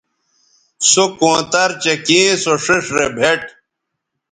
سو کونتر چہء کیں سو ݜئیݜ رے بھیٹ